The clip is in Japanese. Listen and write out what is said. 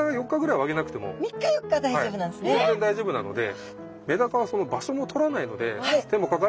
全然大丈夫なので。